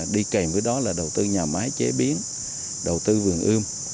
đi kèm với đó là đầu tư nhà máy chế biến đầu tư vườn ươm